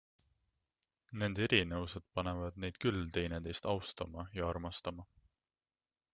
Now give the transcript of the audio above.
Nende erinevused panevad neid küll teineteist austama ja armastama.